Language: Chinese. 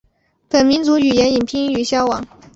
本民族语言已濒于消亡。